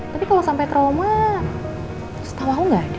tapi kalau sampai trauma setau aku gak ada